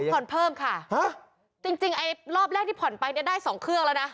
พ่อนเพิ่มค่ะจริงรอบแรกที่ผ่อนไปได้๒เครื่องแล้วนะ